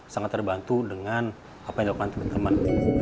sangat terbantu dengan apa yang dilakukan teman teman